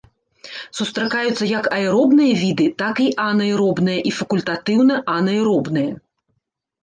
Сустракаюцца як аэробныя віды, так і анаэробныя і факультатыўна-анаэробныя.